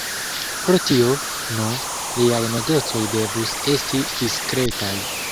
Pro tio, nu, liaj negocoj devus esti diskretaj.